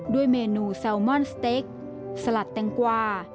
ด้วยเมนูแซลมอนสเต็กสลัดแตงกวา